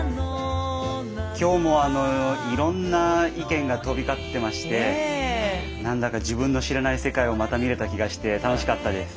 今日もいろんな意見が飛び交ってまして何だか自分の知らない世界をまた見れた気がして楽しかったです。